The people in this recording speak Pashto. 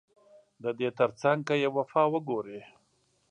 ددې ترڅنګ که يې وفا وګورې